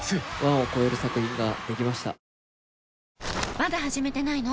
まだ始めてないの？